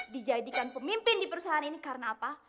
dijadikan pemimpin di perusahaan ini karena apa